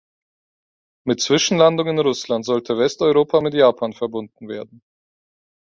Mit Zwischenlandung in Russland sollte Westeuropa mit Japan verbunden werden.